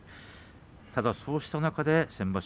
ただそうした中で先場所